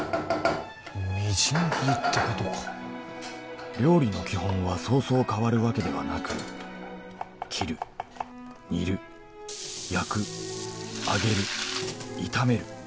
みじん切りってことか「料理の基本はそうそう変わるわけではなく」「切る煮る」「焼く揚げる炒める」